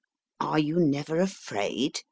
Are you never afraid ?